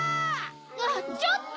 あっちょっと！